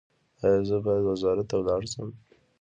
ایا زه باید وزارت ته لاړ شم؟